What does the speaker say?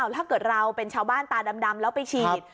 ถ้าเกิดเราเป็นชาวบ้านตาดำแล้วไปฉีด